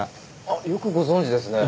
あっよくご存じですね